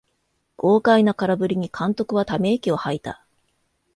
豪快な空振りに監督はため息をはいた